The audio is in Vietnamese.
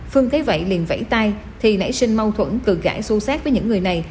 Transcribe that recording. phương thấy vậy liền vẫy tay thì nảy sinh mâu thuẫn cử gãi xu sát với những người này